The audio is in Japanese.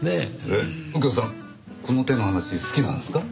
えっ右京さんこの手の話好きなんですか？